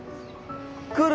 来る